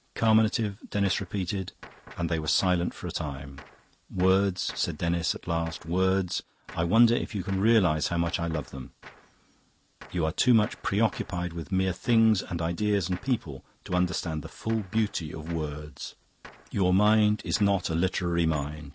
"Carminative," Denis repeated, and they were silent for a time. "Words," said Denis at last, "words I wonder if you can realise how much I love them. You are too much preoccupied with mere things and ideas and people to understand the full beauty of words. Your mind is not a literary mind.